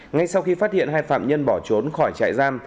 ngay sau khi phát hiện hai phạm nhân bỏ trốn khỏi trại giam